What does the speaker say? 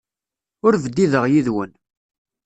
Ur bdideɣ yid-wen.